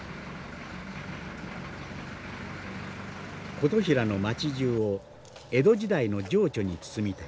「琴平の町じゅうを江戸時代の情緒に包みたい」。